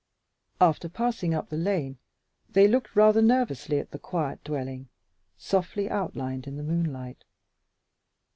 After passing up the lane they looked rather nervously at the quiet dwelling softly outlined in the moonlight.